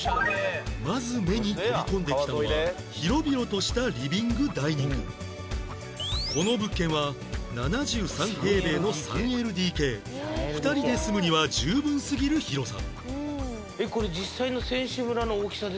まず目に飛び込んできたのは広々としたこの物件は７３平米の ３ＬＤＫ２人で住むには十分すぎる広さ